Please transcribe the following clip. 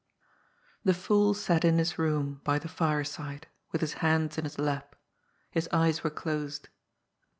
The fool sat in his room, by the fireside, with his hands in his lap. His eyes were closed.